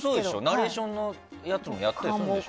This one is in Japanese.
ナレーションのやつもやったりするでしょ？